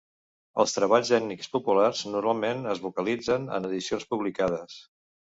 Els treballs ètnics populars normalment es vocalitzen en edicions publicades.